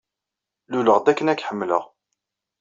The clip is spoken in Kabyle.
Luleɣ-d akken ad k-ḥemmleɣ.